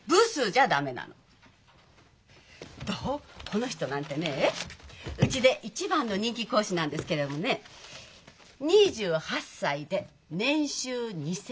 この人なんてねうちで一番の人気講師なんですけれどもね２８歳で年収２，０００万。